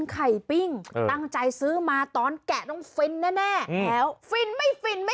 ไข่ปิงเข้ยกินไหม